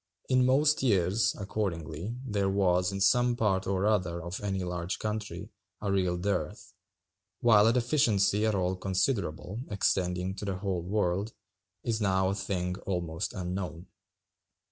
In most years, accordingly, there was, in some part or other of any large country, a real dearth; while a deficiency at all considerable, extending to the whole world, is [now] a thing almost unknown.